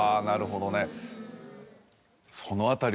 なるほどね。